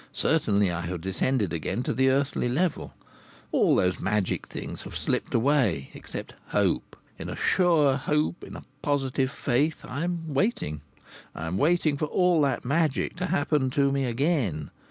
Certainly I have descended again to the earthly level. All those magic things have slipped away, except hope. In a sure hope, in a positive faith, I am waiting. I am waiting for all that magic to happen to me again.